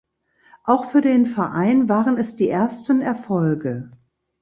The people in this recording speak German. Auch für den Verein waren es die ersten Erfolge.